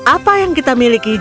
apa yang kita miliki